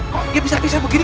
kok dia bisa pisah begini